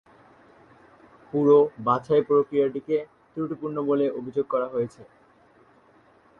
পুরো বাছাই প্রক্রিয়াটিকে "ত্রুটিপূর্ণ" বলে অভিযোগ করা হয়েছে।